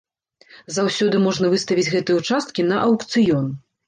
Заўсёды можна выставіць гэтыя ўчасткі на аўкцыён.